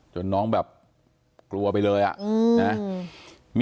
โอ้โหโอ้โหโอ้โห